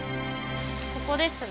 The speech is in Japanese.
ここですね。